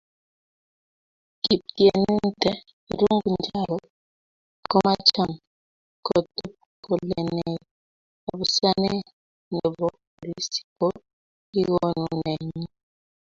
Kiptieninte Irungu Njaro komacham kotup kolenei abusanee ne bo polis ko kikonu mee nyii.